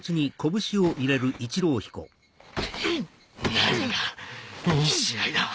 何がいい試合だ！